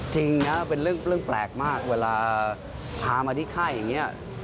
จริงนะเป็นเรื่องแปลกมากเวลาพามาที่ค่ายอย่างนี้